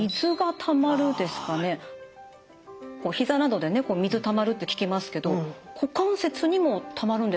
膝などで水たまるって聞きますけど股関節にもたまるんですか？